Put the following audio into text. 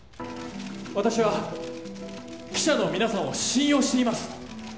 私は記者の皆さんを信用しています。